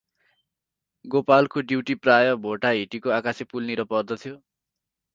गोपालको duty प्रायः भोटाहिटीको आकाशे पुलनिर पर्दथ्यो ।